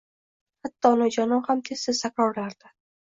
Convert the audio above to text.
Hatto onajonim ham tez-tez takrorlardi